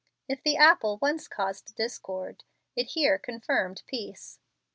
If the apple once caused discord it here confirmed peace.